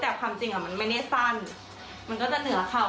แต่ความจริงมันไม่ได้สั้นมันก็จะเหนือเข่า